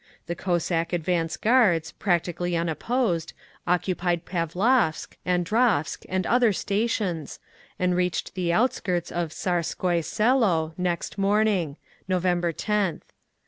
The Cossack advance guards, practically unopposed, occupied Pavlovsk, Alexandrovsk and other stations, and reached the outskirts of Tsarskoye Selo next morning—November 10th.